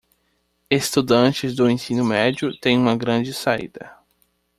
Estudantes do ensino médio têm uma grande saída